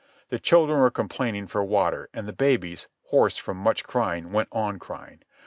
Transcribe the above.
The children were complaining for water, and the babies, hoarse from much crying, went on crying.